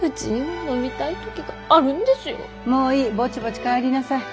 もういいぼちぼち帰りなさい。